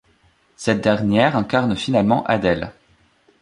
Cette dernière incarne finalement Adele.